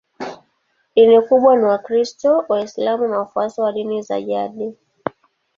Dini kubwa ni Wakristo, Waislamu na wafuasi wa dini za jadi.